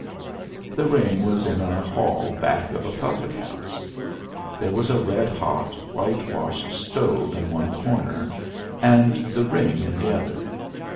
The ring was in a hall back of a public house. There was a red hot whitewashed stove in one corner, and the ring in the other.